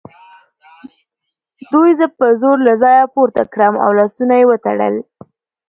دوی زه په زور له ځایه پورته کړم او لاسونه یې وتړل